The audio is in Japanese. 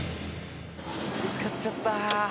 見つかっちゃった。